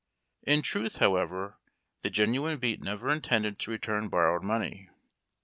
In truth, however, the genuine beat never intended to return borrowed money.